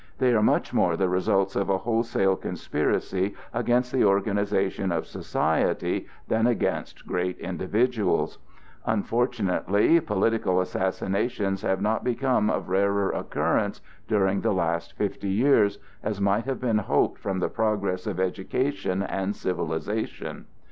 They are much more the results of a wholesale conspiracy against the organization of society than against great individuals. Unfortunately political assassinations have not become of rarer occurrence during the last fifty years, as might have been hoped from the progress of education and civilization.